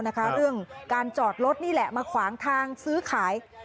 เรื่องการจอดรถนี่แหละมาขวางทางซื้อขาย